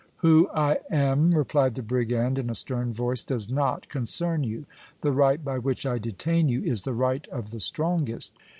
"Who I am," replied the brigand, in a stern voice, "does not concern you. The right by which I detain you is the right of the strongest!"